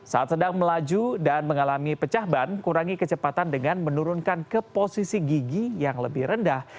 saat sedang melaju dan mengalami pecah ban kurangi kecepatan dengan menurunkan ke posisi gigi yang lebih rendah